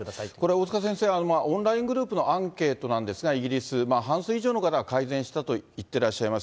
大塚先生、オンライングループのアンケートなんですが、イギリス、半数以上の方が改善したと言ってらっしゃいます。